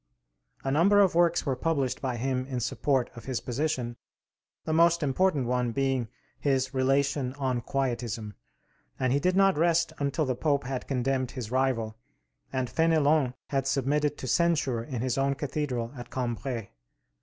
A number of works were published by him in support of his position, the most important one being his 'Relation on Quietism'; and he did not rest until the Pope had condemned his rival, and Fénélon had submitted to censure in his own cathedral at Cambrai.